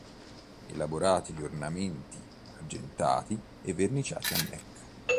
Elaborati gli ornamenti, argentati e verniciati a mecca.